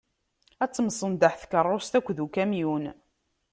Ad temsenḍaḥ tkerrust akked ukamyun.